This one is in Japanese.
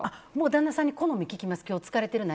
旦那さんに好みを聞きます。